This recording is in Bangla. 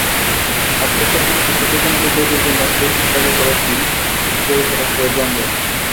আত্মহত্যার বিরুদ্ধে সচেতনতা তৈরির জন্য পেজটি চালু করেছেন পরিচালক রেদওয়ান রনি।